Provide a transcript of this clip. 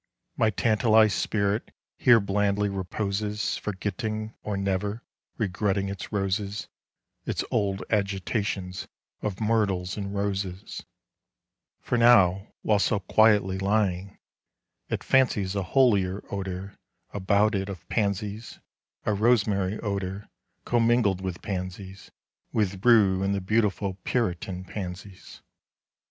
My tantalized spiritHere blandly reposes, Forgetting, or neverRegretting its roses—Its old agitationsOf myrtles and roses:For now, while so quietlyLying, it fanciesA holier odourAbout it, of pansies—A rosemary odour, Commingled with pansies—With rue and the beautifulPuritan pansies.